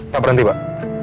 gak berhenti pak